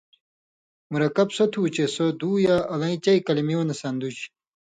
مرکب سو تُھو چے سو دُو یا اَلَیں چئی کلیۡمیُوں نہ سن٘دُژ